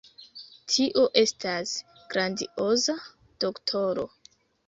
Tio estas grandioza, doktoro!